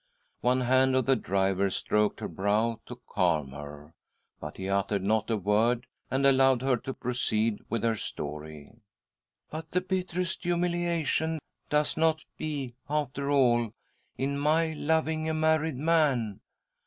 One hand of the driver stroked her brow to calm her, but he uttered not a word, and allowed her to proceed with her, story. " But the bitterest humiliation does not he, after all, in my loving a married man!